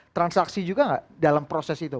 transaksi juga nggak dalam proses itu